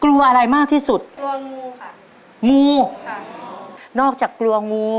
กลัวอะไรมากที่สุดกลัวงูค่ะงูค่ะนอกจากกลัวงู